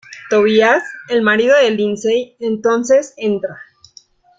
Tobias, el marido de Lindsay, entonces entra.